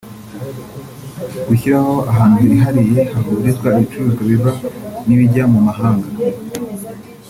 gushyiraho ahantu hihariye hahurizwa ibicuruzwa biva n’ibijya mu mahanga